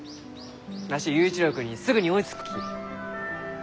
わし佑一郎君にすぐに追いつくき。